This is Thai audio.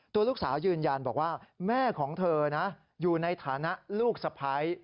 ตัวลูกสาวยืนยันบอกว่าแม่ของเธอนะอยู่ในฐานะลูกสะพ้าย